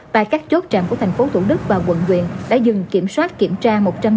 tại các chốt trạm của thành phố thủ đức và quận nguyện đã dừng kiểm soát kiểm tra